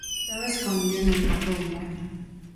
Estaba escondido en el cuarto de baño.